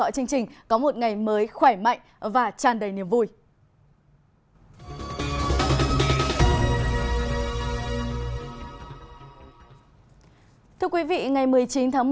chào các bạn